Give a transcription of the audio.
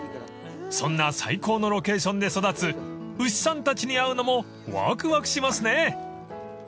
［そんな最高のロケーションで育つ牛さんたちに合うのもわくわくしますね］